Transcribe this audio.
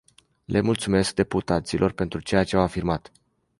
Le mulțumesc deputaților pentru ceea ce au afirmat.